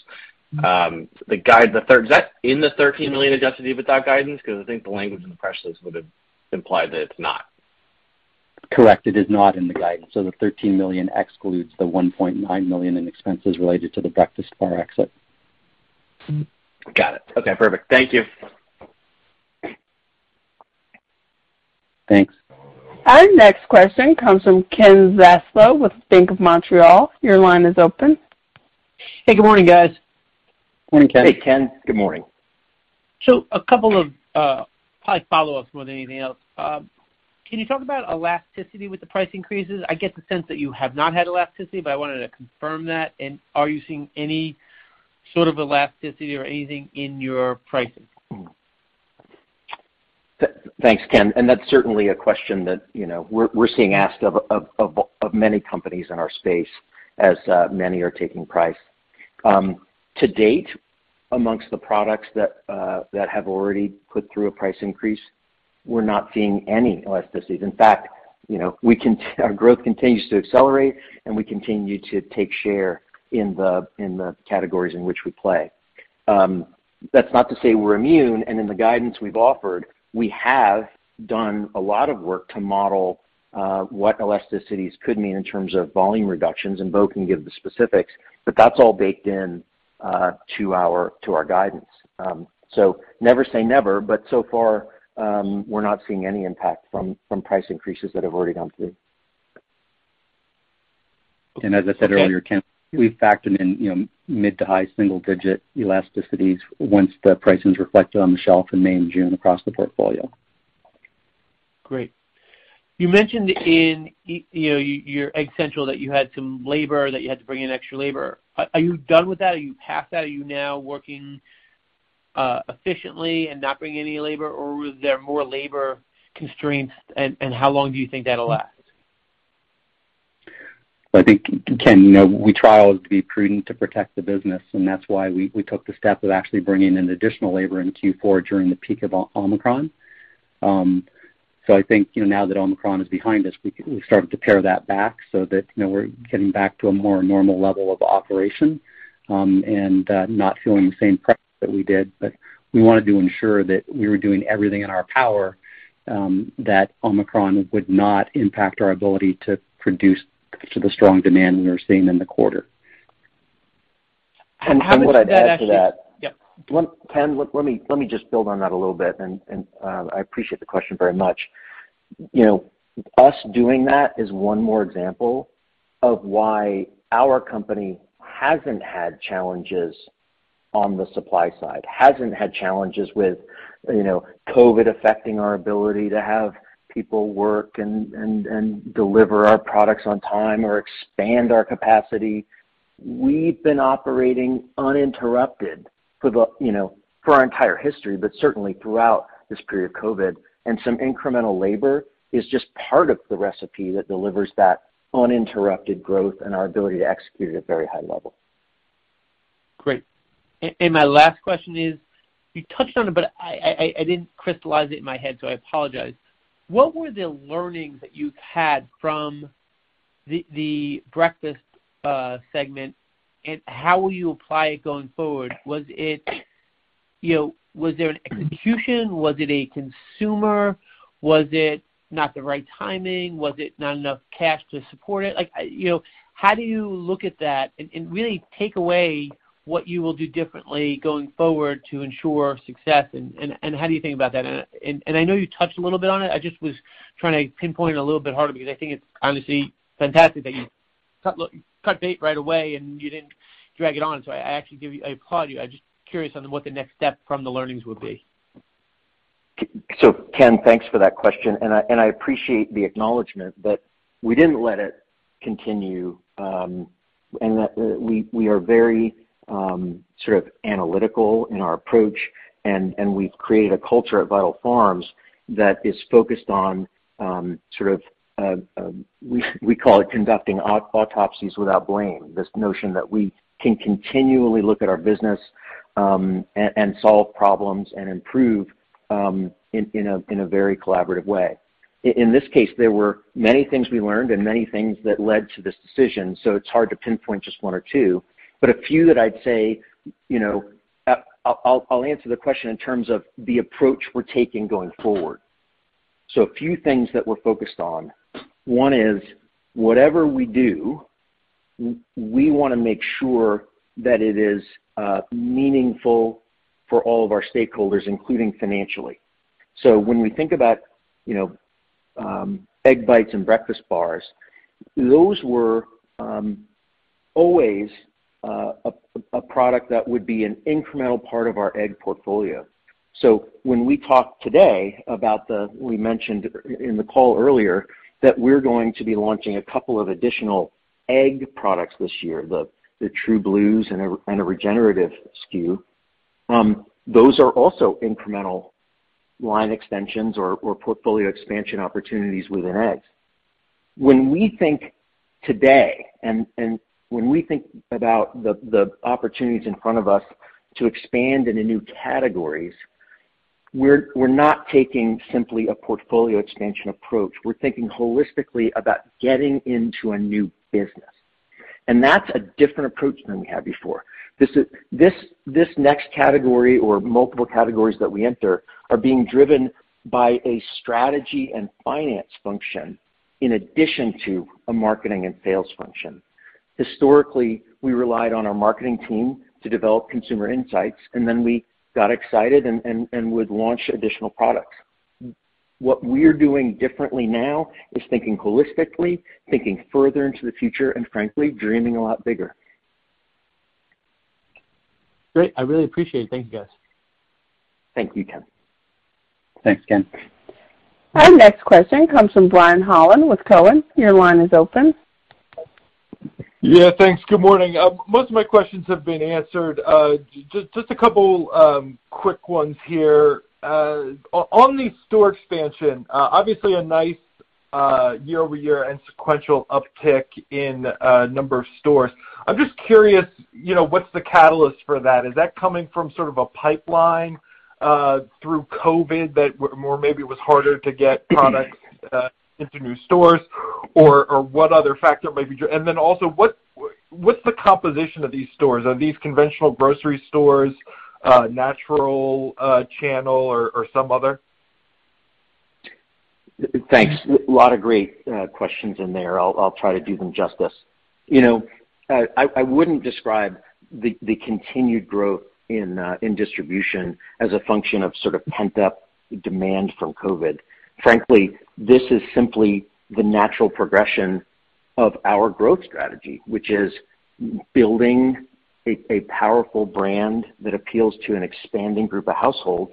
S8: The guidance, is that in the $13 million adjusted EBITDA guidance? 'Cause I think the language in the press release would have implied that it's not.
S4: Correct. It is not in the guidance. The $13 million excludes the $1.9 million in expenses related to the Breakfast Bars exit.
S8: Got it. Okay, perfect. Thank you.
S4: Thanks.
S1: Our next question comes from Ken Zaslow with BMO Capital Markets. Your line is open.
S9: Hey, good morning, guys.
S4: Morning, Ken.
S3: Hey, Ken. Good morning.
S9: A couple of probably follow-ups more than anything else. Can you talk about elasticity with the price increases? I get the sense that you have not had elasticity, but I wanted to confirm that. Are you seeing any sort of elasticity or anything in your pricing?
S3: Thanks, Ken. That's certainly a question that, you know, we're seeing asked of many companies in our space as many are taking price. To date, amongst the products that have already put through a price increase, we're not seeing any elasticities. In fact, you know, our growth continues to accelerate, and we continue to take share in the categories in which we play. That's not to say we're immune. In the guidance we've offered, we have done a lot of work to model what elasticities could mean in terms of volume reductions, and Bo can give the specifics. That's all baked in to our guidance. Never say never, but so far, we're not seeing any impact from price increases that have already gone through.
S4: as I said earlier, Ken, we've factored in, you know, mid to high single digit elasticities once the pricing is reflected on the shelf in May and June across the portfolio.
S9: Great. You mentioned in you know, your Egg Central that you had some labor, that you had to bring in extra labor. Are you done with that? Are you past that? Are you now working efficiently and not bringing any labor, or is there more labor constraints? How long do you think that'll last?
S4: I think, Ken, you know, we try always to be prudent to protect the business, and that's why we took the step of actually bringing in additional labor in Q4 during the peak of Omicron. I think, you know, now that Omicron is behind us, we've started to pare that back so that, you know, we're getting back to a more normal level of operation, and not feeling the same pressure that we did. We wanted to ensure that we were doing everything in our power that Omicron would not impact our ability to produce to the strong demand we were seeing in the quarter.
S3: What I'd add to that.
S9: Yep.
S3: Ken, let me just build on that a little bit and I appreciate the question very much. You know, us doing that is one more example of why our company hasn't had challenges on the supply side, hasn't had challenges with, you know, COVID affecting our ability to have people work and deliver our products on time or expand our capacity. We've been operating uninterrupted for, you know, our entire history, but certainly throughout this period of COVID. Some incremental labor is just part of the recipe that delivers that uninterrupted growth and our ability to execute at a very high level.
S9: Great. My last question is, you touched on it, but I didn't crystallize it in my head, so I apologize. What were the learnings that you've had from the breakfast segment, and how will you apply it going forward? Was it, you know, was there an execution? Was it a consumer? Was it not the right timing? Was it not enough cash to support it? Like, you know, how do you look at that and really take away what you will do differently going forward to ensure success and how do you think about that? I know you touched a little bit on it. I just was trying to pinpoint it a little bit harder because I think it's honestly fantastic that you cut bait right away and you didn't drag it on. I actually applaud you. I'm just curious about what the next step from the learnings would be.
S3: Ken, thanks for that question, and I appreciate the acknowledgement. We didn't let it continue, and that we are very sort of analytical in our approach and we've created a culture at Vital Farms that is focused on sort of we call it conducting autopsies without blame, this notion that we can continually look at our business and solve problems and improve in a very collaborative way. In this case, there were many things we learned and many things that led to this decision, so it's hard to pinpoint just one or two. A few that I'd say. I'll answer the question in terms of the approach we're taking going forward. A few things that we're focused on. One is whatever we do, we wanna make sure that it is meaningful for all of our stakeholders, including financially. When we think about, you know, Egg Bites and Breakfast Bars, those were always a product that would be an incremental part of our egg portfolio. We mentioned in the call earlier that we're going to be launching a couple of additional egg products this year, the True Blues and a regenerative SKU. Those are also incremental line extensions or portfolio expansion opportunities within eggs. When we think today and when we think about the opportunities in front of us to expand into new categories, we're not taking simply a portfolio expansion approach. We're thinking holistically about getting into a new business. That's a different approach than we had before. This next category or multiple categories that we enter are being driven by a strategy and finance function in addition to a marketing and sales function. Historically, we relied on our marketing team to develop consumer insights, and then we got excited and would launch additional products. What we're doing differently now is thinking holistically, thinking further into the future, and frankly, dreaming a lot bigger.
S10: Great. I really appreciate it. Thank you, guys.
S3: Thank you, Ken.
S4: Thanks, Ken.
S1: Our next question comes from Brian Holland with Cowen. Your line is open.
S11: Yeah, thanks. Good morning. Most of my questions have been answered. Just a couple quick ones here. On the store expansion, obviously a nice year-over-year and sequential uptick in number of stores. I'm just curious, you know, what's the catalyst for that? Is that coming from sort of a pipeline through COVID that maybe it was harder to get products into new stores or what other factor may be? Then also, what's the composition of these stores? Are these conventional grocery stores, natural channel or some other?
S3: Thanks. A lot of great questions in there. I'll try to do them justice. You know, I wouldn't describe the continued growth in distribution as a function of sort of pent-up demand from COVID. Frankly, this is simply the natural progression of our growth strategy, which is building a powerful brand that appeals to an expanding group of households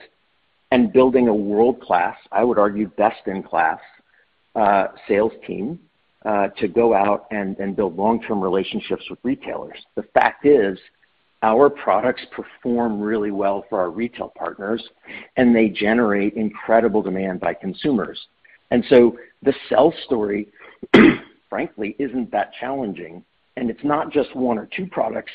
S3: and building a world-class, I would argue, best-in-class sales team to go out and build long-term relationships with retailers. The fact is our products perform really well for our retail partners, and they generate incredible demand by consumers. The sell story, frankly, isn't that challenging, and it's not just one or two products,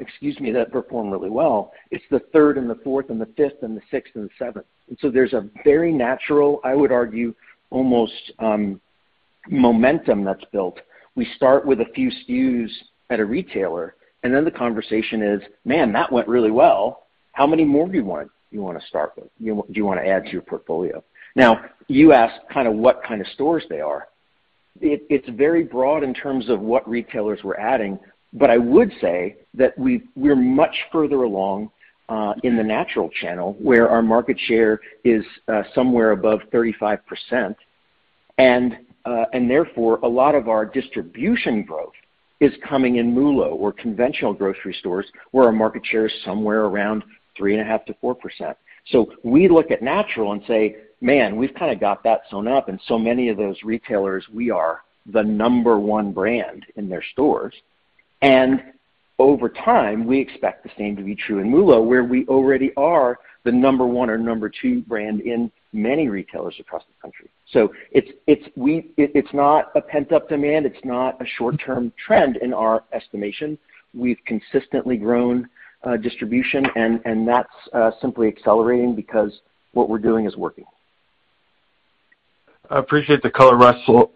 S3: excuse me, that perform really well. It's the third and the fourth and the fifth and the sixth and the seventh. There's a very natural, I would argue, almost, momentum that's built. We start with a few SKUs at a retailer, and then the conversation is, "Man, that went really well. How many more do you wanna start with? Do you wanna add to your portfolio?" Now, you asked kinda what kinda stores they are. It's very broad in terms of what retailers we're adding, but I would say that we're much further along in the natural channel where our market share is somewhere above 35%. Therefore a lot of our distribution growth is coming in MULO or conventional grocery stores, where our market share is somewhere around 3.5%-4%. We look at natural and say, "Man, we've kinda got that sewn up." In so many of those retailers we are the number 1 brand in their stores. Over time, we expect the same to be true in MULO, where we already are the number 1 or number 2 brand in many retailers across the country. It's not a pent-up demand. It's not a short-term trend in our estimation. We've consistently grown distribution and that's simply accelerating because what we're doing is working.
S11: I appreciate the color, Russell.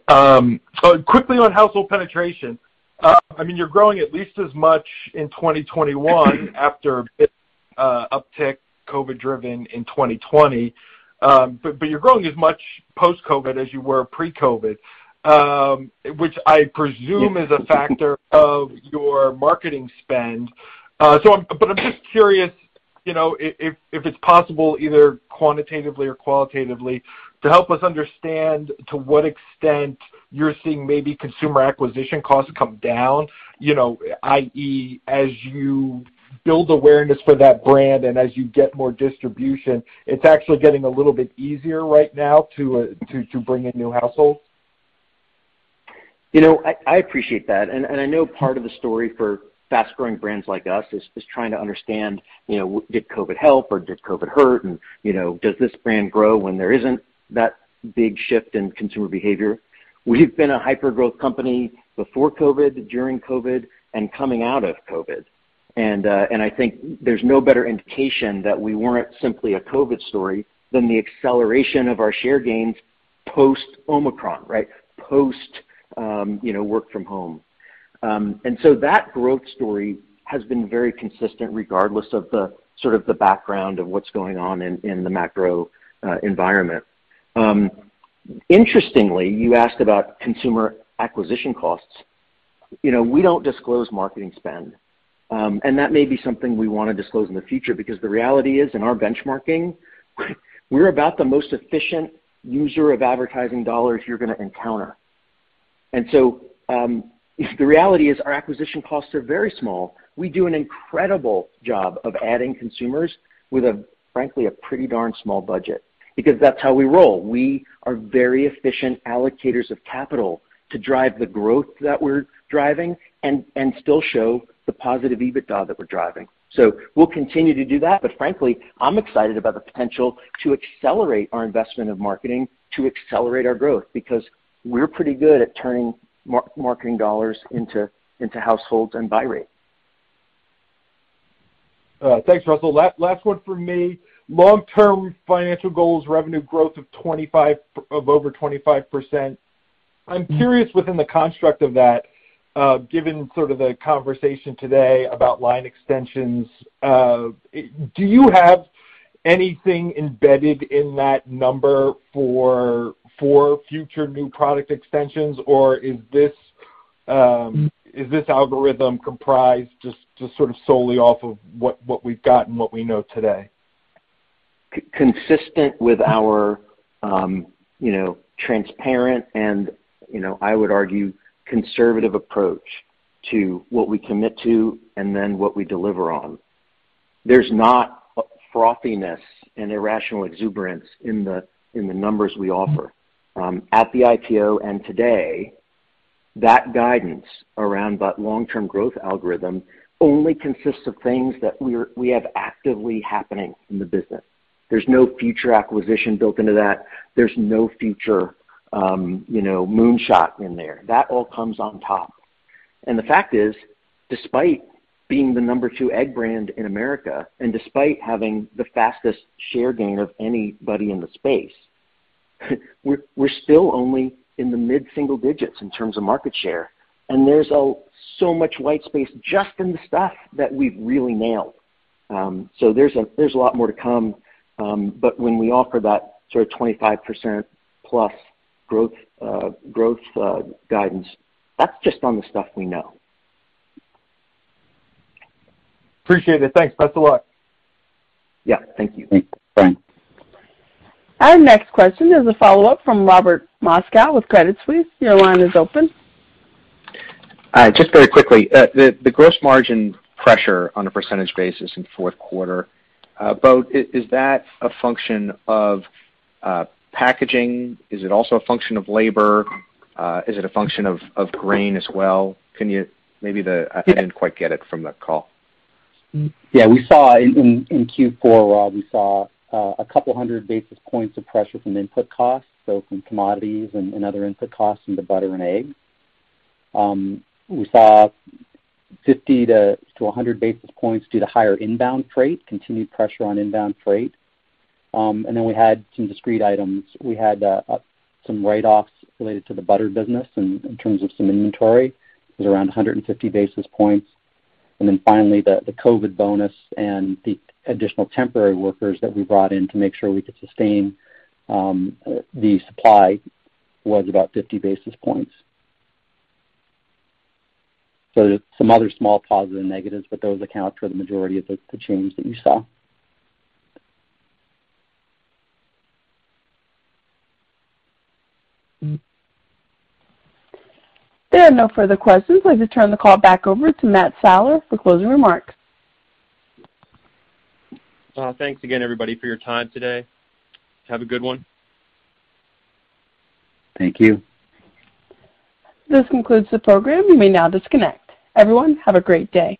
S11: Quickly on household penetration, I mean, you're growing at least as much in 2021 after a bit uptick COVID driven in 2020. You're growing as much post-COVID as you were pre-COVID, which I presume is a factor of your marketing spend. I'm just curious, you know, if it's possible either quantitatively or qualitatively to help us understand to what extent you're seeing maybe consumer acquisition costs come down, you know, i.e., as you build awareness for that brand and as you get more distribution, it's actually getting a little bit easier right now to bring in new households.
S3: You know, I appreciate that. I know part of the story for fast-growing brands like us is trying to understand, you know, did COVID help or did COVID hurt and, you know, does this brand grow when there isn't that big shift in consumer behavior? We've been a hyper-growth company before COVID, during COVID, and coming out of COVID. I think there's no better indication that we weren't simply a COVID story than the acceleration of our share gains post Omicron, right? Post, you know, work from home. So that growth story has been very consistent regardless of the sort of the background of what's going on in the macro environment. Interestingly, you asked about consumer acquisition costs. You know, we don't disclose marketing spend. That may be something we wanna disclose in the future because the reality is, in our benchmarking, we're about the most efficient user of advertising dollars you're gonna encounter. The reality is our acquisition costs are very small. We do an incredible job of adding consumers with a, frankly, a pretty darn small budget. Because that's how we roll. We are very efficient allocators of capital to drive the growth that we're driving and still show the positive EBITDA that we're driving. We'll continue to do that, but frankly, I'm excited about the potential to accelerate our investment of marketing to accelerate our growth because we're pretty good at turning marketing dollars into households and buy rate.
S11: Thanks, Russell. Last one from me. Long-term financial goals, revenue growth of over 25%. I'm curious within the construct of that, given sort of the conversation today about line extensions, do you have anything embedded in that number for future new product extensions, or is this algorithm comprised just sort of solely off of what we've got and what we know today?
S3: Consistent with our, you know, transparent and, you know, I would argue, conservative approach to what we commit to and then what we deliver on. There's not frothiness and irrational exuberance in the numbers we offer. At the IPO and today, that guidance around that long-term growth algorithm only consists of things that we have actively happening in the business. There's no future acquisition built into that. There's no future, you know, moonshot in there. That all comes on top. The fact is, despite being the number two egg brand in America, and despite having the fastest share gain of anybody in the space, we're still only in the mid-single digits in terms of market share. There's so much white space just in the stuff that we've really nailed. So there's a lot more to come. when we offer that sort of 25%+ growth guidance, that's just on the stuff we know.
S11: Appreciate it. Thanks. Best of luck.
S3: Yeah, thank you.
S11: Thanks. Bye.
S1: Our next question is a follow-up from Robert Moskow with Credit Suisse. Your line is open.
S7: Hi. Just very quickly, the gross margin pressure on a percentage basis in fourth quarter, Bo, is that a function of packaging? Is it also a function of labor? Is it a function of grain as well? I didn't quite get it from the call.
S4: Yeah. We saw in Q4, Rob, 200 basis points of pressure from input costs, so from commodities and other input costs into butter and eggs. We saw 50-100 basis points due to higher inbound freight, continued pressure on inbound freight. We had some discrete items. We had some write-offs related to the butter business in terms of some inventory. It was around 150 basis points. Then finally, the COVID bonus and the additional temporary workers that we brought in to make sure we could sustain the supply was about 50 basis points. There's some other small positive and negatives, but those account for the majority of the change that you saw.
S1: There are no further questions. I'd like to turn the call back over to Matt Siler for closing remarks.
S2: Thanks again, everybody, for your time today. Have a good one.
S4: Thank you.
S1: This concludes the program. You may now disconnect. Everyone, have a great day.